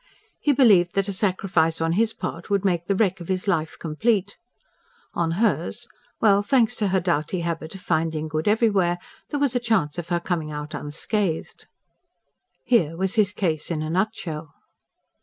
He believed that a sacrifice on his part would make the wreck of his life complete. On hers well, thanks to her doughty habit of finding good everywhere, there was a chance of her coming out unscathed. Here was his case in a nutshell.